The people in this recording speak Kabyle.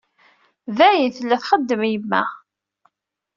D ayen tella txeddem yemma.